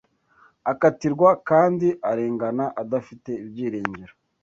akatirwa kandi arengana, adafite ibyiringiro